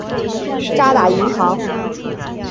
渣打银行。